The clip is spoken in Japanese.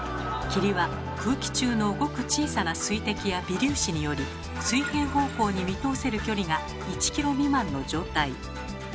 霧は空気中のごく小さな水滴や微粒子により水平方向に見通せる距離が１ｋｍ未満の状態。